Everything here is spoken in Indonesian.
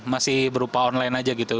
masih berupa online aja gitu